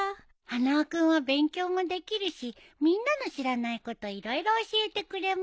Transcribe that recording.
花輪君は勉強もできるしみんなの知らないこと色々教えてくれます。